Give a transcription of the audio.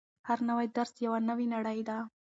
هر نوی درس یوه نوې نړۍ ده.